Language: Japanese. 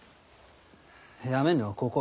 やめるのはここ。